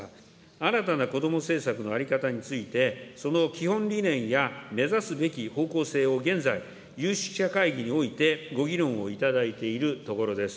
新たな子ども政策の在り方について、その基本理念や目指すべき方向性を現在、有識者会議においてご議論をいただいているところです。